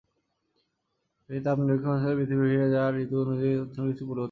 এটি তাপ নিরক্ষীয় অঞ্চলে পৃথিবীকে ঘিরে থাকে, যা ঋতু অনুযায়ী অবস্থান কিছু পরিবর্তন করে।